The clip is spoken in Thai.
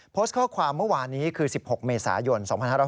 โพสต์ข้อความเมื่อวานนี้คือ๑๖เมษายน๒๕๖๐